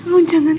mas tolon jangan